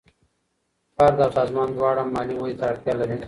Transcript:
فرد او سازمان دواړه مالي ودې ته اړتیا لري.